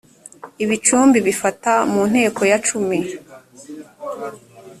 ibicumbi bifata mu nteko ya cumi